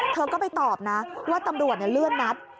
เธอก็ไปตอบนะว่าตำรวจเลื่อนนัด